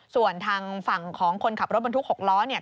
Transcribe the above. ส่วนทางฝั่งของคนขับรถบรรทุก๖ล้อเนี่ย